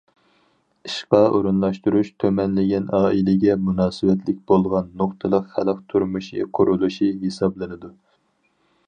ئىشقا ئورۇنلاشتۇرۇش تۈمەنلىگەن ئائىلىگە مۇناسىۋەتلىك بولغان نۇقتىلىق خەلق تۇرمۇشى قۇرۇلۇشى ھېسابلىنىدۇ.